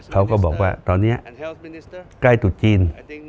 เขาก็บอกว่าตอนนี้ใกล้ตุดจีน